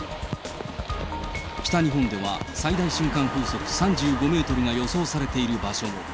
北日本では最大瞬間風速３５メートルが予想されている場所も。